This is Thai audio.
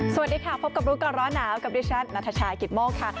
สวัสดีค่ะพบกับรู้ก่อนร้อนหนาวกับดิฉันนัทชายกิตโมกค่ะ